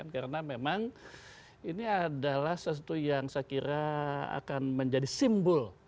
karena memang ini adalah sesuatu yang saya kira akan menjadi simbol